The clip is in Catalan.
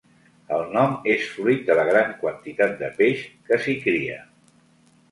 El nom és fruit de la gran quantitat de peix que s'hi cria.